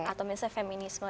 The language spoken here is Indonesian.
atau misalnya feminisme